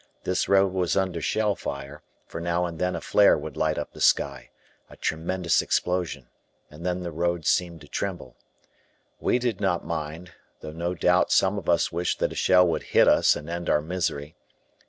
This road was under shell fire, for now and then a flare would light up the sky, a tremendous explosion, and then the road seemed to tremble. We did not mind, though no doubt some of us wished that a shell would hit us and end our misery.